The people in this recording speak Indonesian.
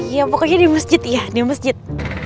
ya pokoknya di masjid ya di masjid